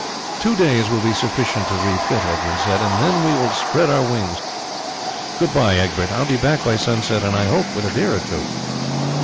"Two days will be sufficient to refit," Edmund said, "and then we will spread our wings. Good bye, Egbert, I will be back by sunset, and I hope with a deer or two."